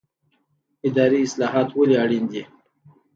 اداري اصلاحات ولې اړین دي؟